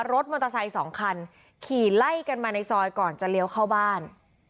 รถมอเตอร์ไซค์สองคันขี่ไล่กันมาในซอยก่อนจะเลี้ยวเข้าบ้าน